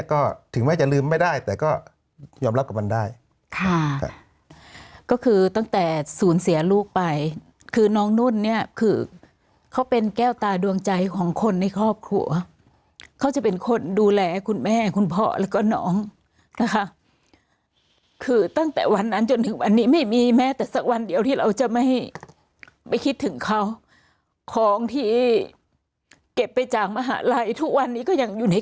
ก็ถึงแม้จะลืมไม่ได้แต่ก็ยอมรับกับมันได้ค่ะก็คือตั้งแต่ศูนย์เสียลูกไปคือน้องนุ่นเนี่ยคือเขาเป็นแก้วตาดวงใจของคนในครอบครัวเขาจะเป็นคนดูแลคุณแม่คุณพ่อแล้วก็น้องนะคะคือตั้งแต่วันนั้นจนถึงวันนี้ไม่มีแม้แต่สักวันเดียวที่เราจะไม่ไม่คิดถึงเขาของที่เก็บไปจากมหาลัยทุกวันนี้ก็ยังอยู่ใน